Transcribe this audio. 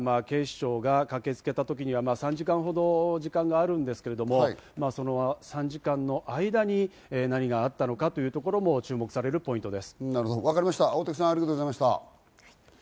千葉県警から通報、連絡を受けた警視庁が駆けつけた時には、３時間ほど時間があるんですけど、その３時間の間に何があったのかというところも注目されるポイントです。